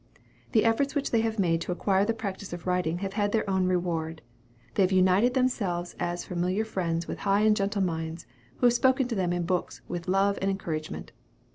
The efforts which they have made to acquire the practice of writing have had their own reward. They have united themselves as familiar friends with high and gentle minds, who have spoken to them in books with love and encouragement.